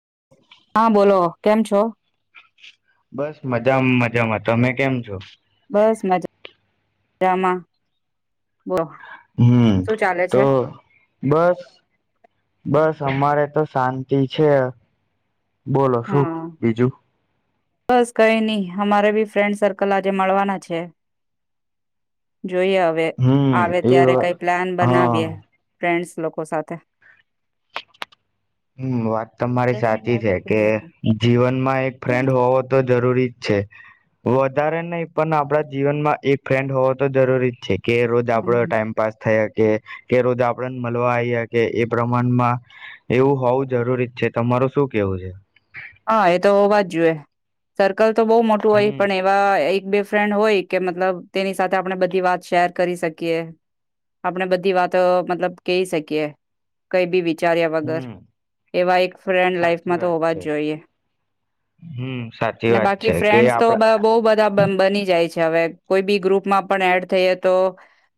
[unintelligible] હા બોલો કેમ છો. બસ મજામાં મજામાં તમે કેમ છો, બસ મજા મજામાં બ હમ તો બસ બસ અમારે તો શાંતિ છે, બોલો શું? હા બીજું બસ કંઈ નહીં, અમારે બી ફ્રેન્ડ સર્કલ આજે મળવાના છે. જોઈએ હવે, હમ આવે એ ત્યારે કઈ પ્લાન હા બનાવીએ ફ્રેન્ડ્સ લોકો સાથે હમમ! વાત તમારી સાચી છે. કે, જીવન માં એક ફ્રેન્ડ હોવો તો જરૂરી જ છે. વધારે નહીં પણ, આપણા જીવનમાં એક ફ્રેન્ડ હોવો તો જરૂરી જ છે. કે રોજ આપડો હમ, ટાઈમ પાસ થયા કે, ઘેર રોજ આપણને મળવા આવ્યા કે એ પ્રમાણમાં એવું હોવું જરૂરી જ છે. તમારું શું કેવું છે? હા એ તો હોવા જ જોઈએ સર્કલ તો બહુ મોટું હોય હમ પણ, એવા એક બે ફ્રેન્ડ હોય કે મતલબ તેની સાથે આપણે બધી વાત શેર કરી શકીએ. આપણે બધી વાત મતલબ કહી શકીએ. કઈ બી વિચાર્યા વગર હમ એવા એક ફ્રેન્ડ લાઈફ સાચી મા તો વાત હોવા છે જ [inaudible] હમ સાચી વાત બાકી છે કે ફ્રેન્ડ તો આપડા બહુ બધા બની જાય હોય છે હવે કોઈ બી ગ્રુપમાં પણ એડ થઈએ તો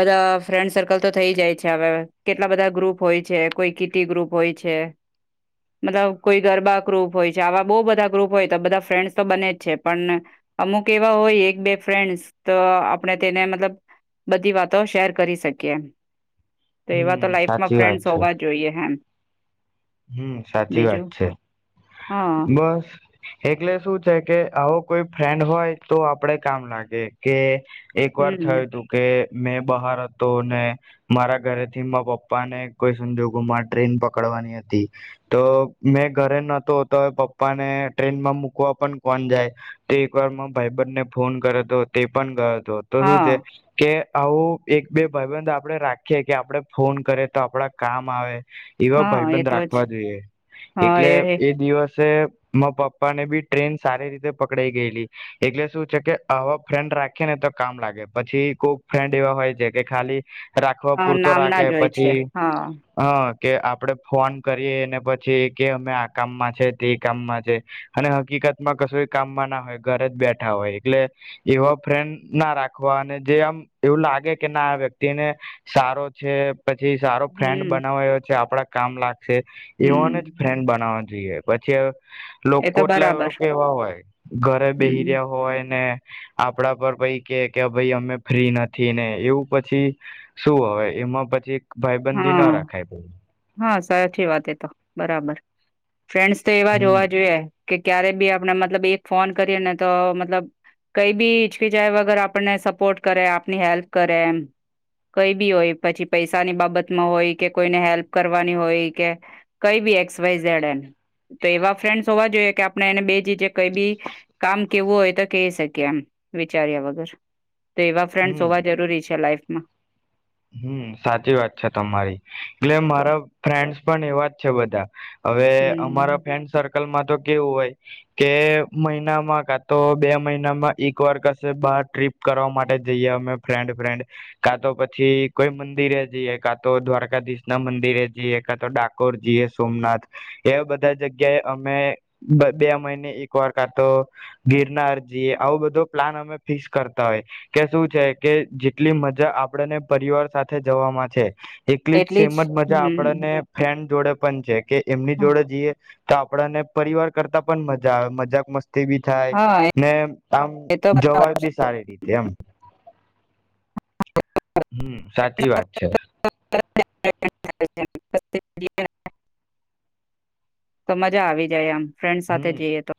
બધા ફ્રેન્ડ સર્કલ તો થઈ જાય છે. હવે કેટલા બધા ગ્રુપ હોય છે, કોઈ કીટી ગ્રુપ હોય છે. મતલબ કોઈ ગરબા ગ્રુપ હોય છે. આવા બહુ બધા ગ્રુપ હોય તો બધા ફ્રેન્ડ્સ તો બને જ છે. પણ અમુક એવા હોય એક બે ફ્રેન્ડસ તો આપણે તેને મતલબ બધી વાતો શેર કરી શકીએ. તો એવા તો, હમ લાઈફમાં સાચી વાત ફ્રેન્ડસ છે હોવા જોઈએ હેમ હમ સાચી વાત છે. હા બસ એટલે શું છે કે? કે આવો કોઈ ફ્રેન્ડ હોય તો, આપડે કામ લાગે કે એક વાર થયું હમ હતું કે મેં બહાર હતો. અને મારા ઘરે થી માર પપ્પા ને કોઈ સંજોગોમાં ટ્રેન પકડવાની હતી. [inaudible] તો મેં ઘરે નહતો હતો તો હવે પપ્પાને ટ્રેનમાં મુૂકવા પણ કોણ જાય? તો એક વાર ભાઈબનને ફોન કર્યો હતો તે પણ ગયો હતો. તો તો શું છે? હા કે આવું એક બે ભાઈબંધ આપડે રાખીએ કે, આપડે ફોન કરે તો, આપડા કામ આવે. એવા હા એ ભયબંધ તો રાખ [inaudible] જ વા જોઈએ એટલે એ દિવસ તે માર પપ્પા ને બી ટ્રેન સારી રીતે પકડાઈ ગયેલી. એટલે શું છે? કે આવા ફ્રેન્ડ રાખે ને તો કામ લાગે, પછી કોક ફ્રેન્ડ એવા હોય છે કે ખાલી રાખવા હા પૂરતો નામના રાખે જ હોય છે પછી, હા હઅ કે આપડે ફોન કરીએ ને પછી કે અમે આ કામમાં છે, તે કામમાં છે, અને હકીકત માં કશો કામમાં ના હોય, ઘરે જ બેઠા હોય, એટલે એવા ફ્રેંડ ના રાખવા. અને જે આમ એવું લાગે કે ના આ વ્યક્તિને સારો છે. પછી સારો ફ્રેન્ડ હમ બનાવાયો છે. આપડા કામ લા છે એઓ નેજ હમ ફ્રેન્ડ બનાવ જઈએ પછી હવે એ તો લોકોટલા એ બરાબર કેવા હોય ઘરે બેહી હમ રહ્યા હોય ને આપડા પર પાઈ કે કે ભાઈ અમે ફ્રી નથી ને એવું પછી શું હવે એમાં પછી ભાઈબંધી ના હા રાખાય પહી. હા સાચી વાત એ તો બરાબર. ફ્રેન્ડ્સ તો એવા રોવા હમ જોઈએ કે ક્યારે બી આપણે મતલબ એક ફોન કરીએને તો મતલબ કઈ બી ઈચકજાય વગર આપને સપોર્ટ કરે આપની હેલ્પ કરે એમ. કઈ બી હોય પછી પૈસાની બાબ બાબતમાં હોય કે કોઈને હેલ્પ કરવાની હોય કે કઈ બી એક્સવાઈઝડ એન. તો એવા ફ્રેન્ડસ હોવા જોઈએ કે આપણે એને બે જીજક કઈ બી કામ કેવું હોય તો કહી શકીએ એમ વિચાર્યા વગર. તો એવા ફ્રેન્ડ્સ હોવા જરૂરી છે લાઈફ ના. હમ્મ સાચી વાત છે તમારી. એટલે તો મારા ફ્રેન્ડસ પણ એવા છે બધા. હવે અમારા હમ ફ્રેન્ડ સર કલમાં તો કેવું હોય કે મહિનામાં કા તો બે મહિનામાં એક વાર કશે બાર ટ્રીપ કરવા માટે જઈએ અમે ફ્રેન્ડ ફ્રેન્ડ કા તો પ છી કોઈ મંદિરે જઈએ કા તો દ્વારકાધીશ ના મંદિરે જઈએ કા તો ડાકોર જઈએ સોમનાથ. એવા બધા જગ્યાએ અમે બ-બે મહિને એકવાર કા તો ગિરનાર જઈએ આવો બધો પ્લાન અમે ફિક્સ કરતા હોય કે શું છે કે જેટલી મજા આપડને પરિવાર સાથે જવાવામાં છે એટલી જ સેમ જ મજા આપડેને ફેન્ડ જોડે પણ છે. કે એમની જોડે જીએ તો આપડા ને પરિવાર કરતા પણ મજા આવે મજાક મસ્ત થી ભી થાય હા ને આમ એ તો જવાય બી સારી રીતે એમ. હમ્મ, સાચી વાત છે. [inaudible] તો મજા આવી જાય આમ. ફ્રેન્ડ સાથે હમ જઈએ તો.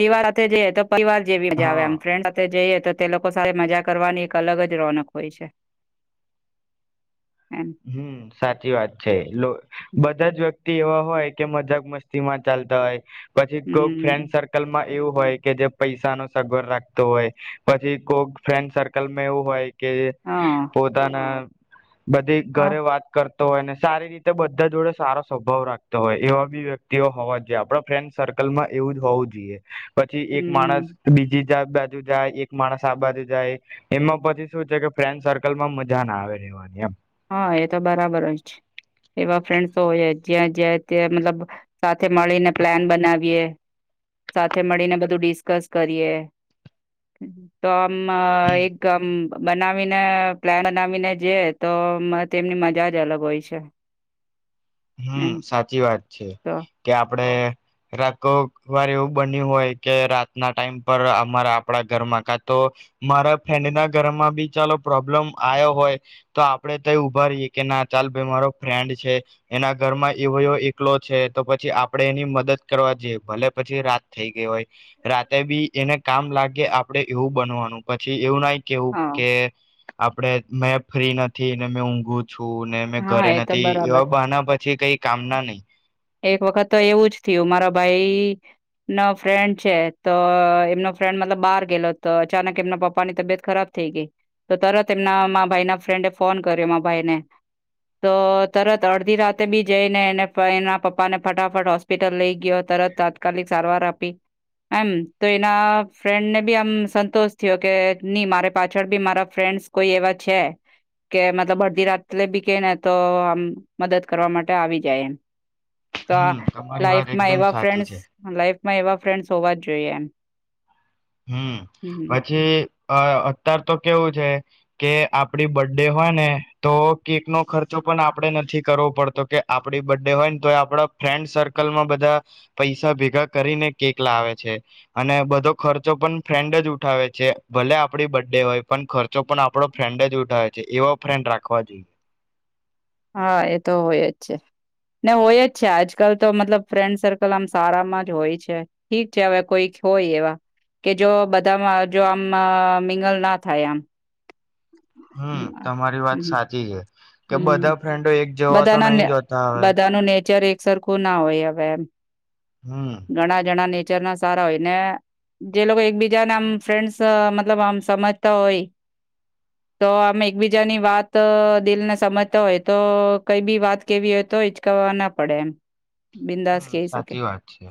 તેવા રાતે જઈએ તો પરિવાર જેવી મજા આવે હા આમ ફ્રેન્ડ સાથે જઈએ તો તે લોકો સાથે મજા કરવાની એક અલગ જ રોનક હોય છે. એમ હમ્મ સાચી વાત છે. લો બધા જ વ્યક્તિઓ હોય કે મજાક મસ્તીમાં ચાલતા હોય પછી કોક હમ ફ્રેન્ડ સર્કલમાં એવું હોય કે જે પૈસા નો સગવડ રાખતો હોય પછી કોક ફ્રેન્ડ સર્કલમાં એવું હોય કે હા પોતાના બધ હા ઘરે વાત કર તો હોય ને સારી રીતે બધા જોડે સારો સ્વભાવ રાખતો હોય એવા બી વ્યક્તિઓ હોવા જોઈએ આપડા ફ્રેન્ડ સર્કલમાં એવું જ હોવું જોઈએ પછી એક હમ માણસ બીજી [unintelligible] બાજુ જાય એક માણસ આ બાજુ જાય એમાં પછી શું છે કે ફ્રેન્ડ સર્કલમાં મજા ના આવે રેવાની એમ. હા એ તો બરાબર હોય છે એવા ફ્રેન્ડસ હોય જ્યાં જ્યા ત્યા મતલબ સાથે મળીને પ્લાન બનાવીએ સાથે મળીને બધું ડિસ્કસ કરીએ તો મ એક આમ બનાવીને પ્લાન બનાવીને જે તો તેમની મજા જ અલગ હોય છે. હમ એમ સાચી વાત છે તો કે આપડે રાખ વાર એવું બન્યું હોય કે રાતના ટાઈમ પર અમારા આપડા ઘરમાં કા તો મારા ફ્રેન્ડના ઘરમાં બી ચાલો પ્રોબ્લેમ આવ્યો હોય તો આપડે તય ઉભા રેયે કે ના ચાલ ભાઈ મારો ફ્રેન્ડ છે. એના ઘરમાં એવો એકલો છે તો પછી આપડે એની મદદ કરવા જઈએ ભલે પછી રાત થઈ ગઈ હોય. રાતે બી એને કામ લાગે આપડે એવું બનવાનું પછી એવું નાઈ કેવું હા કે આપડે મેં ફ્રી નથી ને મેં ઊંઘું છું ને મેં હા ઘરે એ તો નથી બરાબર એવા બહાના એ કઈ કામ ના નઈ એક વખત તો એવું જ થયું મારા ભાઈ ના ફ્રેન્ડ છે તો એમનો ફ્રેન્ડ મતલબ બાર ગેલો તો અચાનક એમના પપ્પાની તબિયત ખરાબ થઈ ગઈ તો તરત એમના મા ભાઈ ના ફ્રેન્ડ એ ફોન કર્યો મારા ભાઈને તો તરત અડધી રાતે બી જઈને એને ભાઈના પપ્પાને ફટાફટ હોસ્પિટલ લઈ ગયો તરત તાત્કાલિક સારવાર આપી એમ તો એના ફ્રેન્ડને બી આમ સંતોષ થયો કે ની મારે પાછળ બી મારા ફ્રેન્ડસ કોઈ એવા છે કે મતલબ અડધી રાત બી કે ને તો આમ મદદ કરવા માટે આવી જાય એમ. તો આ હમ તમારી વાત લાઈફમાં એકદમ એવા સાચી ફ્રેન્ડસ છે લાઈફ માં એવા ફ્રેન્ડસ હોવા જ જોઈએ એમ હમ હમ પછી અ અત્યાર તો કેવું છે કે આપડી બર્થડે હોય ને તો કેક નો ખર્ચો પણ આપડે નથી કરવો પડતો કે આપડી બર્થડે હોય ને તોઈ આપડા ફ્રેન્ડ સર્કલમાં બધા પૈસા ભેગા કરીને કેક લાવે છે અને બધો ખર્ચો પણ ફ્રેન્ડ જ ઉઠાવે છે ભલે આપડી બર્થડે હોય પણ ખર ચૉ પણ આપડો ફ્રેન્ડ જ ઉઠાવે એવા ફ્રેન્ડ રાખવા જોઈએ હા એતો હોય જ છે ના હોય જ છે આજકાલ તો મતલબ ફ્રેન્ડ સર્કલ આમ સારામાં જ હોય છે ઠીક છે હવે કોઈક હોય એવા કે જો બધામાં જો આમ અ મીંગલ ના થાય આમ. હમ તમારી વાત હમ સાચી છે. કે હમ બધા ફ્રેન્ડો એક જવા તો બધાના ને નઇ જ હોતા હવે બધાનું નેચર એક સરખું ના હોય અવે એમ હમ ઘણા જણા ને જેમના સારા હોયને જે લોકો એકબીજા નામ ફ્રેન્ડ્સ મતલબ આમ સમજતા હોય તો આમા એકબીજાની વાત દિલને સમજતા હોય તો કઈ બી વાત કેવી હોય તો ઇચકાવવા ના પડે એમ બિંદાસ હમ્ કહી શકે સાચી વાત છે,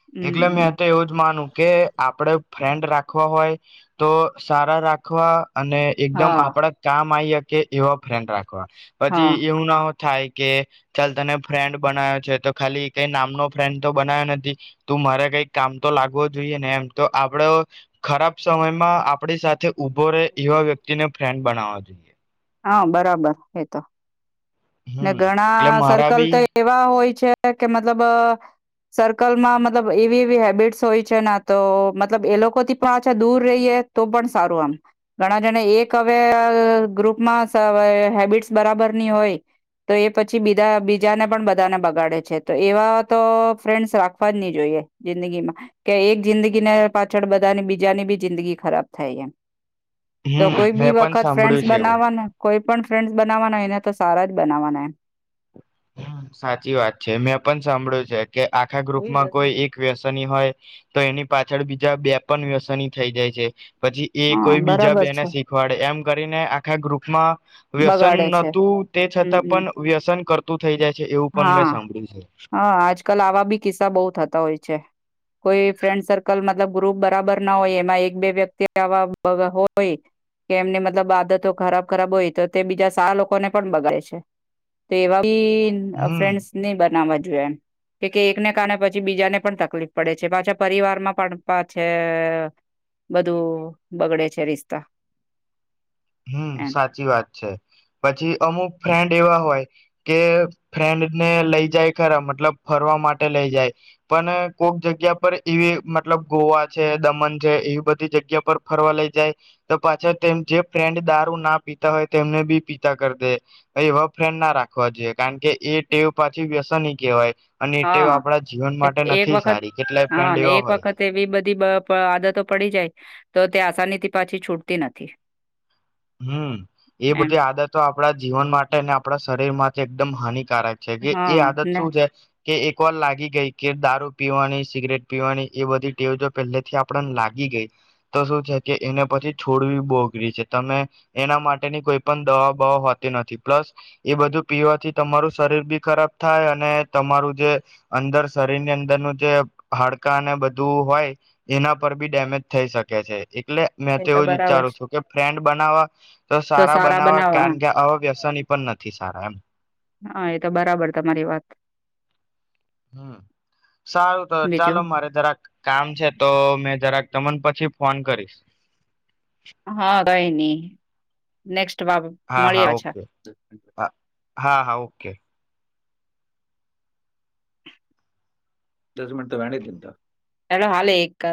હમ એટલે હમ. મેં તો એવું જ માનું કે આપડે ફ્રેન્ડ રાખ રાખવા હોય, તો સારા રાખવા અને એકદમ હા આપડા કામ આઇ કે એવા ફ્રેન્ડ રાખ [inaudible] પછી હા એવું ના હોત થાય કે ચાલ તને ફ્રેન્ડ બનાવ્યો છે, તો ખાલી તે નામનો ફ્રેન્ડ તો બનાવ્યો નથી, તું મારે કઈ કામ તો લાગવો જોઈએ ને એમ તો આપડો ખરાબ સમયમાં આપણી સાથે ઉભો રહે એવા વ્યક્તિને ફ્રેન્ડ બનાવવા જોઈએ. હા બરાબર એ તો ને હમ એટલે ઘણા મારા સર્કલ બી તો એવા હોય છે કે, મતલબ સર્કલમાં મતલબ એવી એવી હેબિટસ હોય છે, ના તો મતલબ એલોકોથી પણ છે દૂર રહીએ તો પણ સારું આમ ઘણા જને એક હવે ગ્રુપ હેબિટસ બરાબર નઇ હોય, તો એ પછી બીજા બીજાને પણ બધાને બગાડે છે, તો એવા તો ફ્રેન્ડ્સ રાખવા જ નહી જોઈએ, જિંદગીમાં કે એક જિંદગીને પાછળ બધાની બીજાની બી જિંદગી ખરાબ થાય, એમ તો હમ કોઈ બી મેં પણ વખત ફ્રેન્ડસ સાંભળ્યું બન છે એવું બનાવવાના કોઈ પણ ફ્રેન્ડ્સ બનાવવાના એને તો સારાજ બનાવાના સાચી વાત છે, મેં પણ સાંભળ્યું છે, કે આખા ગ્રુપ માં એમ કોઈ, એક વ્યસની હોય તો એની પાછળ બીજા બે પણ વ્યસની થઈ જાય છે. પછી એ હા કોઈ બીજા બરાબર બેને છે શીખવાડે એમ કરીને, આખા ગ્રુપ [inaudible] વ્યસન બગાડે છે નોતું તે હમ છતાં, હમ પણ વ્યસન કરતું. થઈ જાય છે એવું પણ મેં હા સાંભળ્યું છે હા આજ કલ આવા બી કિસ્સા બહુ થતા હોય, કોઈ ફ્રેન્ડ સર્કલ મતલબ ગ્રુપ બરાબર ના હોય, એમાં એક બે વ્યક્તિ આવા હોય કે એમની મતલબ આદતો ખરાબ ખરાબ હોય. તો તે બીજા સા લોકોને પણ બગાડે છે, તો એવા હમ ફ્રેન્ડસ ની બનાવ જો એમ કે એકને કારાણે પછી બીજાને પણ તકલીફ પડે છે, પાછા પરિવાર માં પણ પાછા બધું બગડે છે, રિશતા હમ સાચી વાત છે. પછી અમુક ફ્રેન્ડ એવા હોય કે ફ્રેન્ડ ને લઈ, જાય ખરા મતલબ ફરવા માટે લઈ જાય પણ કોક જગ્યા પર એવી મતલબ ગોવા છે, દમણ છે એવી બધી જગ્યા પર ફરવા લઈ જાય, તો પાછા તેમ જે ફ્રેન્ડ દારૂ ના પીતા હોય તેમને બી પીતા કરી દે, એવા ફ્રેન્ડ ના રાખવા જોઈએ કારણ કે એ ટેવ પાછી વ્યસન કહેવાય. અને એ ટેવ હા આપણા જીવન માટે એક નથી વખત સારી કેટલાય હા ફ્રેન્ડ ને એવા એક હોય છે વખત એવી બધી આદતો પડી જાય તો તે આસાનીથી પાછી છૂટતી નથી. હમ્મ, એ એમ બધી આદતો આપણા જીવન માટે અને આપણા શરીર માટે એકદમ હાનિક છે કે એ હા આદત ને શું છે, કે એક કો લાગી ગઈ કે દારૂ પીવાની સિગરેટ પીવાની એ બધી ટેવ જો પહેલેથી આપડ લાગી ગઈ તો શું છે, કે એને પછી છોડવી બોગરી છે. તમે એના માટેની કોઈ પણ દવા બવા હોતી નથી, પ્લસ એ બધું પીવાથી તમારું શરીર બી ખરાબ થાય અને તમારું જે અંદર શરીરની અંદરનું જે હાડકા અનેને બધું હોય એના પર બી ડેમેજ થઈ શકે છે એટલે મેં એ તો એવું જ બરાબર વિચારું છે છું કે ફ્રેન્ડ બનાવા તો સારા બનાવા કારણ કે આ વ્યસની પણ નથી સારા એમ હા એ તો બરાબર તમારી વાત હમ સારું તો બીજું ચાલો મારે જરાક કામ છે તો મે તમને પછી ફોન કરીશ હા રહી નહી નેક્સ્ટ જવાબ હા હા મળ્યા છે ઓકે હા હા હા ઓકે [unintelligible]